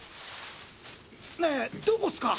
ねぇどこっすか？